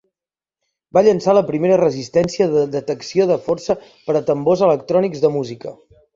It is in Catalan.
Va llançar la primera resistència de detecció de força per a tambors electrònics de música.